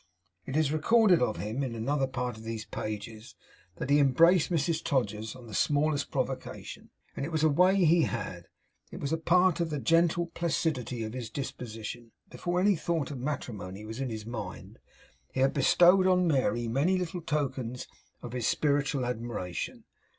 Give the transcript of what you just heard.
It is recorded of him in another part of these pages, that he embraced Mrs Todgers on the smallest provocation; and it was a way he had; it was a part of the gentle placidity of his disposition. Before any thought of matrimony was in his mind, he had bestowed on Mary many little tokens of his spiritual admiration.